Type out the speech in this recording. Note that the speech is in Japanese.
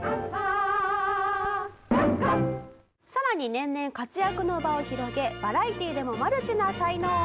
「さらに年々活躍の場を広げバラエティーでもマルチな才能を発揮」